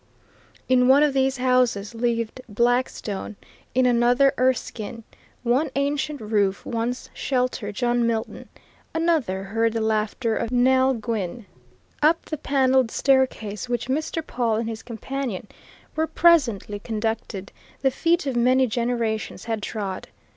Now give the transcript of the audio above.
In one of these houses lived Blackstone; in another Erskine; one ancient roof once sheltered John Milton; another heard the laughter of Nell Gwynn; up the panelled staircase which Mr. Pawle and his companion were presently conducted, the feet of many generations had trod.